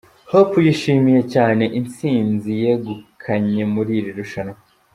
Hope yishimiye cyane intsinzi yegukanye muri iri rushanwa.